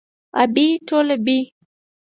ابۍ ټوله بۍ.